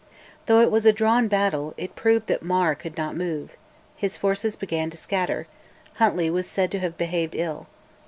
Though it was a drawn battle, it proved that Mar could not move: his forces began to scatter; Huntly was said to have behaved ill.